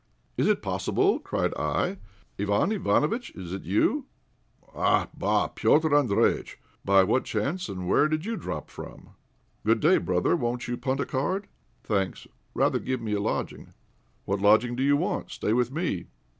"Is it possible?" cried I. "Iván Ivánovitch, is it you?" "Ah, bah! Petr' Andréjïtch! By what chance, and where do you drop from? Good day, brother, won't you punt a card?" "Thanks rather give me a lodging." "What, lodging do you want? Stay with me."